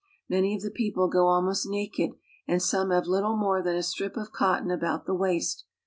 K Many of the people go almost naked, and some have Buttle more than a strip of cotton about the waist.